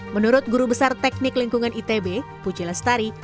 menurut guru besar teknik lingkungan itb puji lestari